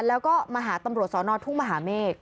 แล้วก็มาหาตำรวจสอนอทุ่งมหาเมฆ